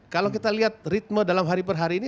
kalau kita lihat ritme dalam hari per hari ini